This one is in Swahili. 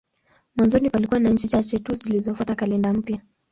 Mwanzoni palikuwa na nchi chache tu zilizofuata kalenda mpya.